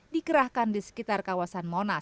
dikerahkan di sekitar kawasan monas